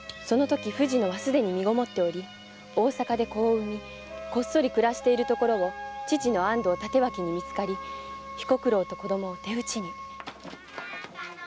藤乃は身ごもっており大坂で子を産みこっそり暮らしているところを父の帯刀にみつかり彦九郎と子供は手討ちに。